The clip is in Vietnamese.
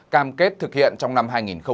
cam kết thực hiện trong năm hai nghìn một mươi chín